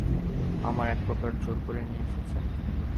আমার একপ্রকার জোর করে নিয়ে এসেছে।